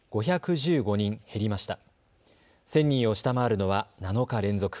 １０００人を下回るのは７日連続。